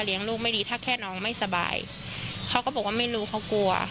ลูกไม่ดีถ้าแค่น้องไม่สบายเขาก็บอกว่าไม่รู้เขากลัว